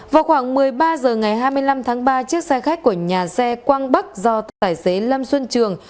vào khoảng một mươi ba h ngày hai mươi năm tháng ba chiếc xe khách của nhà xe quang bắc do tài xế lâm xuân trường